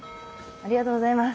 ありがとうございます。